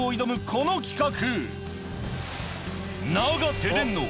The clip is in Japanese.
この企画。